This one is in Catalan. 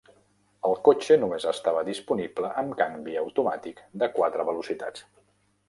El cotxe només estava disponible amb canvi automàtic de quatre velocitats.